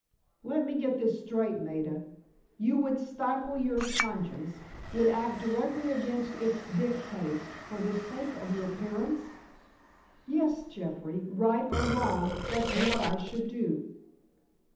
"Let me get this straight, Maida. You would stifle your conscience, would act directly against its dictates for the sake of your parents?" "Yes, Jeffrey; right or wrong, that's what I should do."